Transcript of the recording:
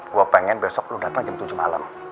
gue pengen besok lo dateng jam tujuh malem